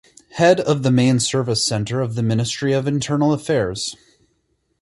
Head of the Main Service Center of the Ministry of Internal Affairs.